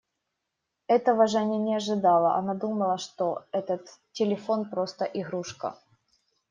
Этого Женя не ожидала; она думала, что этот телефон просто игрушка.